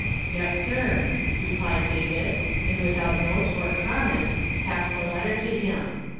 "Yes, sir," replied David, and without note or comment passed the letter to him.